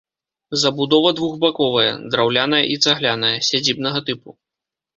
Забудова двухбаковая, драўляная і цагляная, сядзібнага тыпу.